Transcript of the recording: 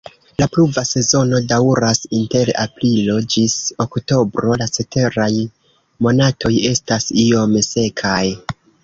La pluva sezono daŭras inter aprilo ĝis oktobro, la ceteraj monatoj estas iom sekaj.